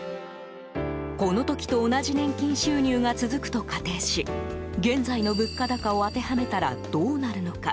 この時と同じ年金収入が続くと仮定し現在の物価高を当てはめたらどうなるのか。